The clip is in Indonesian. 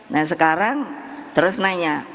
nah sekarang terus nanya